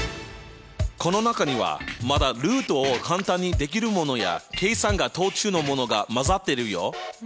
この中にはまだルートを簡単にできるものや計算が途中のものが混ざってるよ。